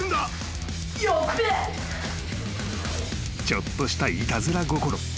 ［ちょっとしたいたずら心］